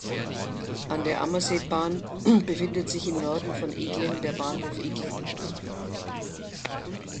An der Ammerseebahn befindet sich im Norden von Egling der Bahnhof "Egling".